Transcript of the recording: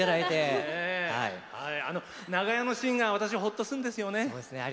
長屋のシーンがほっとするんですよね。